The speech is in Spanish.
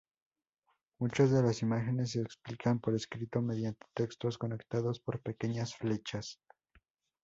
Muchos de las imágenes se explican por escrito mediante textos conectados por pequeñas flechas.